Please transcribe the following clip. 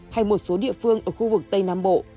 hay một số địa phương ở khu vực tây nam bộ